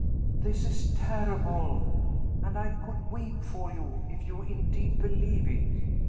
"This is terrible; and I could weep for you, if you indeed believe it.